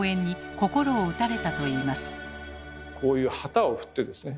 こういう旗を振ってですね